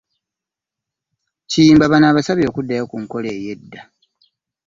Kiyimba bano abasabye okuddayo ku nkola ey’edda